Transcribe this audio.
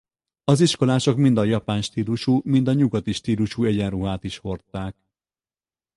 Az iskolások mind a japán stílusú mind a nyugati stílusú egyenruhát is hordták.